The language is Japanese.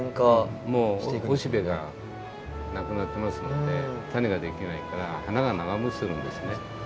もうおしべがなくなってますんで種ができないから花が長もちするんですね。